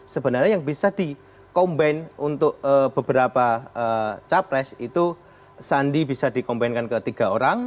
sebenarnya yang bisa di combine untuk beberapa capres itu sandi bisa di combinekan ke tiga orang